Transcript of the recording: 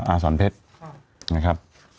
อาสอนเพชรนะครับ